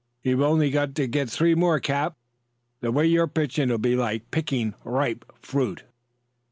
"You've only got to get three more, cap. The way you're pitching, it'll be like picking ripe fruit."